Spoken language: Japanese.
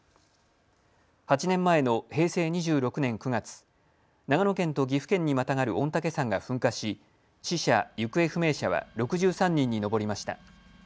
８年前の平成２６年９月、長野県と岐阜県にまたがる御嶽山が噴火し死者・行方不明者は６３人に上りました。